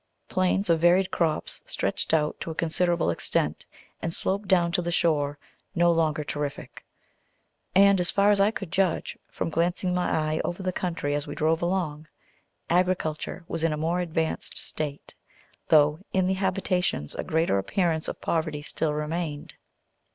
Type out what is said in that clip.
Plains of varied crops stretched out to a considerable extent, and sloped down to the shore, no longer terrific. And, as far as I could judge, from glancing my eye over the country as we drove along, agriculture was in a more advanced state, though in the habitations a greater appearance of poverty still remained.